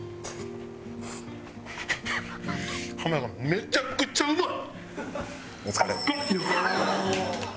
めちゃくちゃうまい！